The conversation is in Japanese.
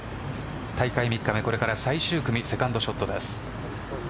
大会３日目、これから最終組セカンドショットです。